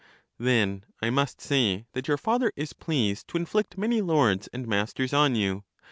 Then I must say that your father is pleased to in flict many lords and masters on you.